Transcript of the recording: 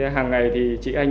hàng ngày thì chị anh